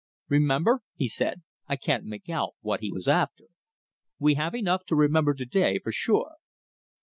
'Remember!' he said I can't make out what he was after. We have enough to remember to day, for sure."